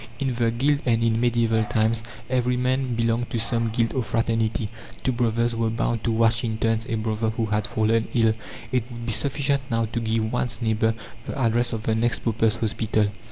In the guild and in medieval times every man belonged to some guild or fraternity two "brothers" were bound to watch in turns a brother who had fallen ill; it would be sufficient now to give one's neighbour the address of the next paupers' hospital.